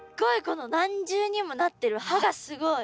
この何重にもなってる歯がすごい！